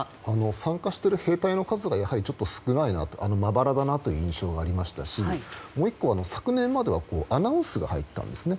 参加している兵隊の数が少ないなとまばらだという印象がありましたしもう１個は、昨年まではアナウンスが入ったんですね。